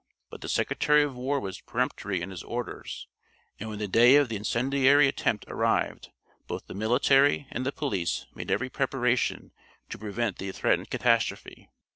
But the Secretary of War was peremptory in his orders, and when the day of the incendiary attempt arrived both the military and the police made every preparation to prevent the threatened catastrophe.